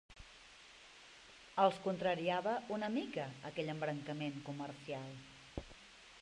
Els contrariava una mica aquell embrancament comercial